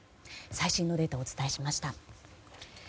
最新のデータをお伝えしました。